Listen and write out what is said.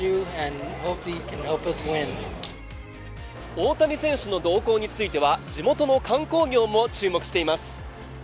大谷選手の動向については地元の観光業も注目しています。